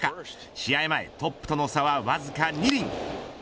試合前トップとの差はわずか２厘。